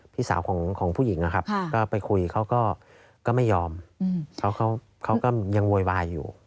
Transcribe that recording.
พี่สาวของผู้หญิงนะครับก็ไปคุยเขาก็ไม่ยอมเขาก็ยังโวยวายอยู่